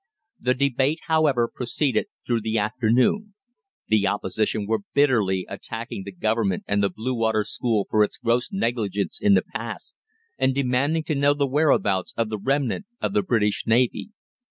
The debate, however, proceeded through the afternoon. The Opposition were bitterly attacking the Government and the Blue Water School for its gross negligence in the past, and demanding to know the whereabouts of the remnant of the British Navy.